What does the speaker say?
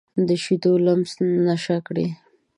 د شیدو لمس نشه کړي